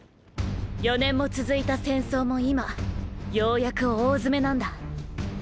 ４年も続いた戦争も今ようやく大詰めなんだ。